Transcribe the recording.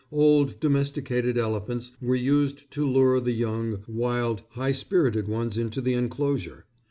Old, domesticated elephants were used to lure the young, wild, high spirited ones into the enclosure.